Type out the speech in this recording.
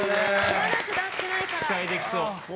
期待できそう。